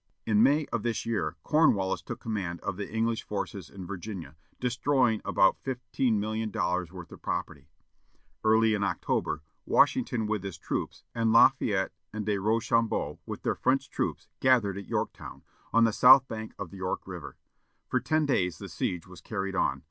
In May of this year, Cornwallis took command of the English forces in Virginia, destroying about fifteen million dollars worth of property. Early in October, Washington with his troops, and Lafayette and De Rochambeau with their French troops, gathered at Yorktown, on the south bank of the York River. For ten days the siege was carried on.